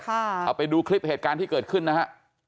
เอาไปดูคลิปเหตุการณ์ที่เกิดขึ้นนะฮะ